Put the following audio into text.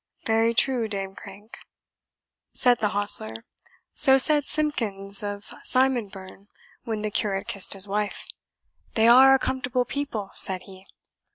"Very true, Dame Crank," said the hostler; "so said Simpkins of Simonburn when the curate kissed his wife, 'They are a comfortable people,' said he."